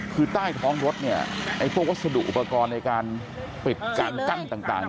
คือใต้ท้องรถพวกวัสดุอุปกรณ์ในการปิดการกั้นต่าง